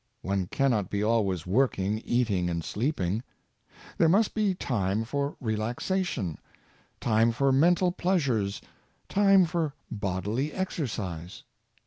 One cannot be always working, eating and sleeping. There must be time for relaxation, time for mental pleasures, time for bodily exercise.